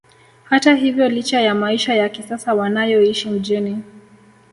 Hata hivyo licha ya maisha ya kisasa wanayoishi mjini